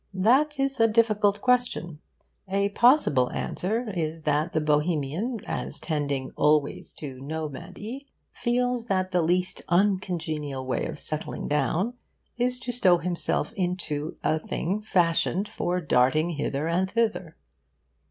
That is a difficult question. A possible answer is that the Bohemian, as tending always to nomady, feels that the least uncongenial way of settling down is to stow himself into a thing fashioned for darting hither and thither.